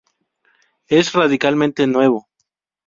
Es, radicalmente nuevo.